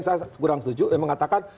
saya kurang setuju dan mengatakan